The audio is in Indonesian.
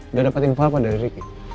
udah dapet info apa dari ricky